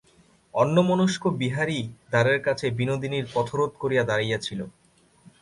অন্যমনস্ক বিহারী দ্বারের কাছে বিনোদিনীর পথরোধ করিয়া দাঁড়াইয়াছিল।